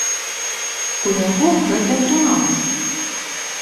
У яго гэта атрымалася.